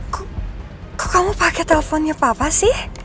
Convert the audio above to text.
kok kamu pakai teleponnya papa sih